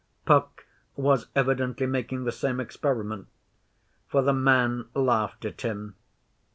Puck was evidently making the same experiment, for the man laughed at him.